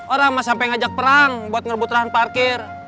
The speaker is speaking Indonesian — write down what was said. orang mah sampe ngajak perang buat ngerbut rahan parkir